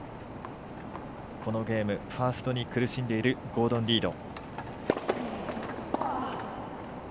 このゲームファーストに苦しんでいるゴードン・リード。